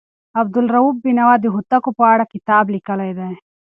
عبدالروف بېنوا د هوتکو په اړه کتاب لیکلی دی.